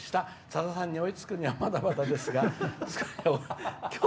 さださんに追いつくにはまだまだですが」。